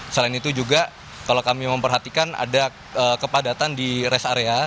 selain itu juga kalau kami memperhatikan ada kepadatan di rest area